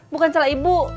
bukan salah ibu